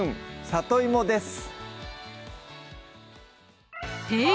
里芋」です